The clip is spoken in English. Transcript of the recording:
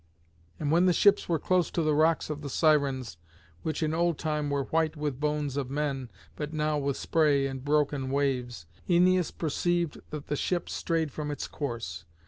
And when the ships were close to the rocks of the Sirens, which in old time were white with bones of men, but now with spray and broken waves, Æneas perceived that the ship strayed from its course.